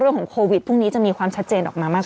เรื่องของโควิดพรุ่งนี้จะมีความชัดเจนออกมามากขึ้น